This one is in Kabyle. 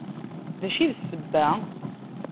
D acu i d sebba?